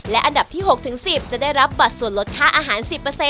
และอันดับที่๖๑๐จะได้รับบัตรส่วนลดค่าอาหาร๑๐